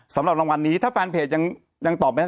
สำหรับรางวัลนี้ถ้าแฟนเพจยังตอบไม่ได้